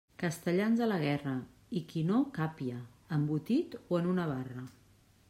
Castellans a la gerra, i qui no càpia, embotit, o en una barra.